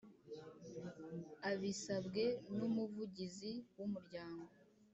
Abisabwe n Umuvugizi w umuryango